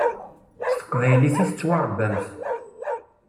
S teqbaylit i tettwaṛebbamt.